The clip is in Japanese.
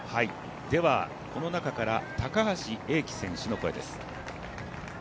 では、この中から高橋英輝選手の声です。